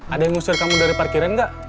ada yang ngusir kamu dari parkiran nggak